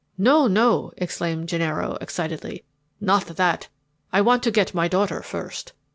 "No, no!" exclaimed Gennaro excitedly. "Not that. I want to get my daughter first.